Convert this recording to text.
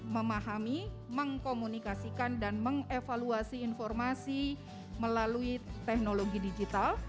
memahami mengkomunikasikan dan mengevaluasi informasi melalui teknologi digital